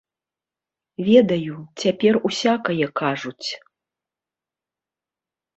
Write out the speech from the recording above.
Ведаю, цяпер усякае кажуць.